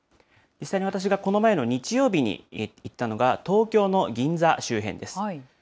実際に私がこの前の日曜日に行ったのが、東京の銀座周辺です。